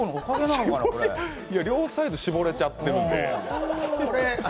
両サイド絞れちゃってるので。